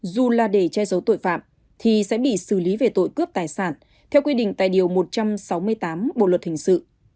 dù là để che giấu tội phạm thì sẽ bị xử lý về tội cướp tài sản theo quy định tại điều một trăm sáu mươi tám bộ luật hình sự